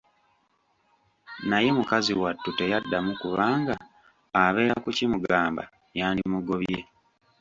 Naye mukazi wattu teyaddamu kubanga abeera kukimugamba, yandimugobye.